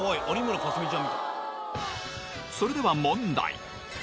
それでは問題